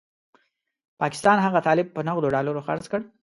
پاکستان هغه طالب په نغدو ډالرو خرڅ کړ.